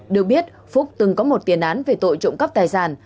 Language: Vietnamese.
được biết phúc từng có một tiền án về tội trộm cắp tài sản